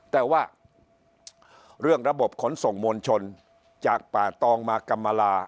แต่ว่าเรื่องระบบขนส่งมวลชนจากป่าตองมากำลา